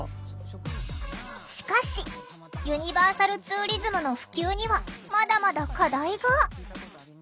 しかしユニバーサルツーリズムの普及にはまだまだ課題が。